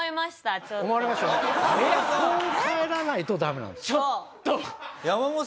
ちょっと。